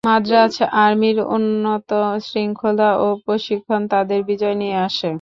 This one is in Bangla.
মাদ্রাজ আর্মির উন্নত শৃঙ্খলা ও প্রশিক্ষণ তাদের বিজয় নিয়ে আসে।